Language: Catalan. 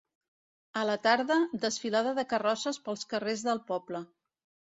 A la tarda, desfilada de carrosses pels carrers del poble.